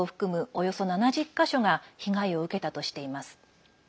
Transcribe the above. およそ７０か所が被害を受けたとしています。